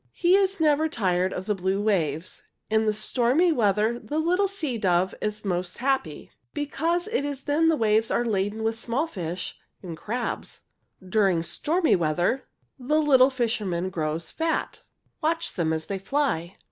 "He is never tired of the blue waves. "In stormy weather the little sea dove is most happy, because it is then that the waves are laden with small fish and crabs. During stormy weather the little fisherman grows fat. "Watch them as they fly.